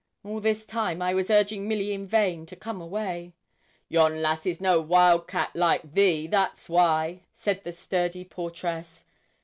All this time I was urging Milly in vain to come away. 'Yon lass is no wild cat, like thee that's why,' said the sturdy portress.